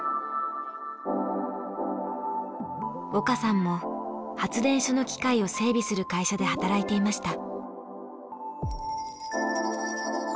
岡さんも発電所の機械を整備する会社で働いていました。